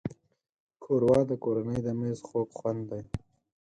ښوروا د کورنۍ د مېز خوږ خوند دی.